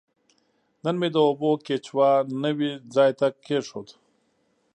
نن مې د اوبو کیچوا نوي ځای ته کیښود.